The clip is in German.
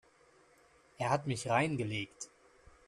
Er hat mich reingelegt.